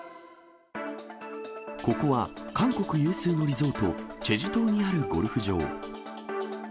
ここは韓国有数のリゾート、チェジュ島にあるゴルフ場。